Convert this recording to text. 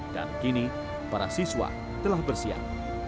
dan kini para siswa telah bersiap